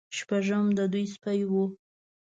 شپږم د دوی سپی و.